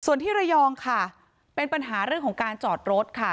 ส่วนที่ระยองค่ะเป็นปัญหาเรื่องของการจอดรถค่ะ